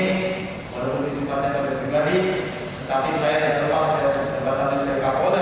tapi saya dikepas dari debatan dari kapolda